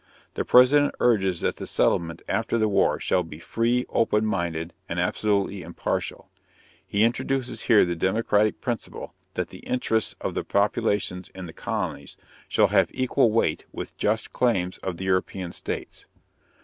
The President urges that the settlement after the war shall be "free, open minded, and absolutely impartial." He introduces here the democratic principle that the interests of the populations in the colonies shall have equal weight with the just claims of the European states.